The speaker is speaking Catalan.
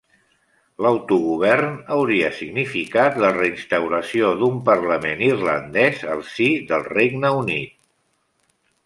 L'autogovern hauria significat la reinstauració d'un Parlament Irlandès al si del Regne Unit.